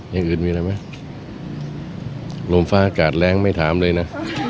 อย่างอื่นมีอะไรไหมลมฟ้าอากาศแรงไม่ถามเลยนะ